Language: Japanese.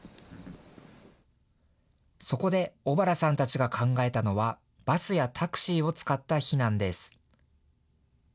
そこで小原さんたちが考えたのはバスやタクシーを使った避難です。